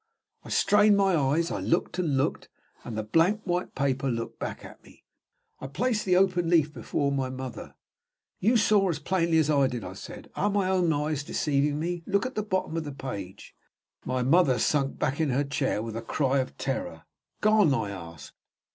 I strained my eyes; I looked and looked. And the blank white paper looked back at me. I placed the open leaf before my mother. "You saw it as plainly as I did," I said. "Are my own eyes deceiving me? Look at the bottom of the page." My mother sunk back in her chair with a cry of terror. "Gone?" I asked.